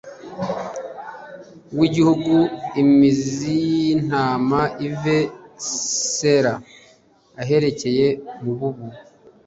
w igihugu im zi y intama ive i sela aherekeye mu bub